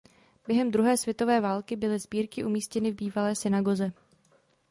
Během druhé světové války byly sbírky umístěny v bývalé synagoze.